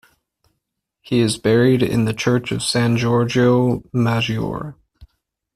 He is buried in the church of San Giorgio Maggiore.